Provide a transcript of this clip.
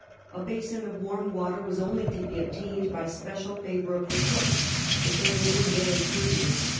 A basin of warm water was only to be obtained by special favor of the cooks; but they had been very courteous.